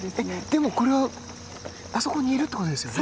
でもこれはあそこにいるってことですよね！